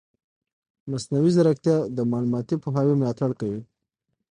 مصنوعي ځیرکتیا د معلوماتي پوهاوي ملاتړ کوي.